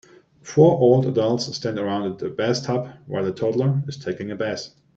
Four old adults stand around a bathtub while a toddler is taking a bath.